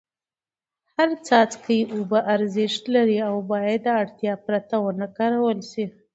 هر څاڅکی اوبه ارزښت لري او باید د اړتیا پرته ونه کارول سي.